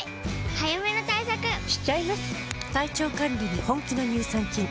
早めの対策しちゃいます。